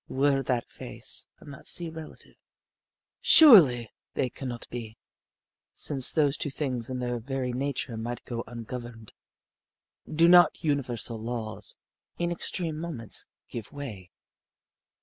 Were that face and that sea relative? Surely they could not be, since those two things in their very nature might go ungoverned. Do not universal laws, in extreme moments, give way?